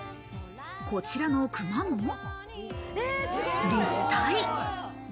こちらのクマも。